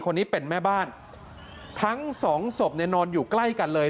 คนนี้เป็นแม่บ้านทั้งสองศพเนี่ยนอนอยู่ใกล้กันเลย